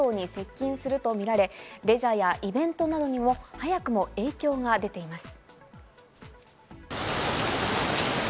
先週に続いて週末に再び台風が関東に接近するとみられ、レジャーやイベントなどにも早くも影響が出ています。